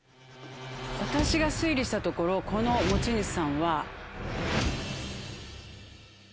私が推理したところこの持ち主さんは。